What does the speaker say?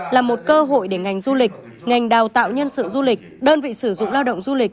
là một cơ hội để ngành du lịch ngành đào tạo nhân sự du lịch đơn vị sử dụng lao động du lịch